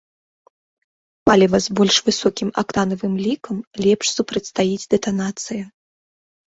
Паліва з больш высокім актанавым лікам лепш супрацьстаіць дэтанацыі.